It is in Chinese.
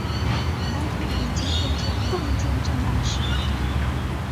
蓝图已经绘就，奋进正当时。